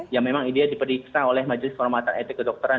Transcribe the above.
yang memang idi diperiksa oleh majelis penghormatan etik kedokteran